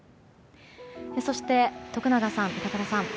そして、徳永さん、板倉さん。